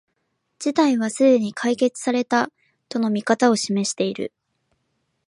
事態はすでに解決された、との見方を示している